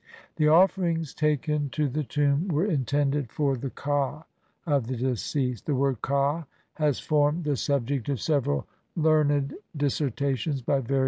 The offerings taken to the tomb were intended for the ka of the deceased. The word ka has formed the subject of several learned dissertations by various scho 1.